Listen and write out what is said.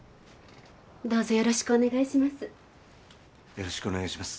よろしくお願いします。